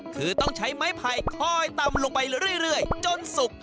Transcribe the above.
คือต้องใช้ไม้ไผ่คอยตำลงไปเรื่อยจนสุก